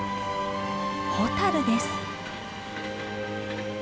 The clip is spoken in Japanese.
ホタルです。